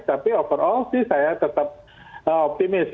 tapi overall sih saya tetap optimis